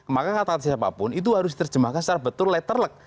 maka kata siapapun itu harus diterjemahkan secara betul letterleg